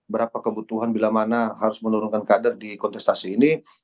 berapa kebutuhan bila mana harus menurunkan kader di kontestasi ini